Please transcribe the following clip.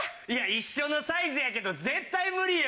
一緒のサイズやけど絶対無理よ。